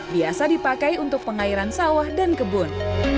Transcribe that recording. biasa dipakai untuk pengairan sawah dan kebun